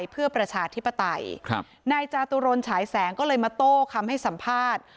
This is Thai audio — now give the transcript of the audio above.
เพื่อประชาธิปไตยครับนายจาตุรนฉายแสงก็เลยมาโต้คำให้สัมภาษณ์